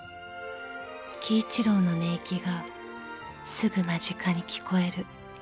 ［輝一郎の寝息がすぐ間近に聞こえる］